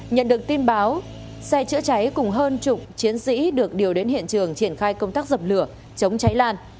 nhận được tin báo xe chữa cháy cùng hơn chục chiến sĩ được điều đến hiện trường triển khai công tác dập lửa chống cháy lan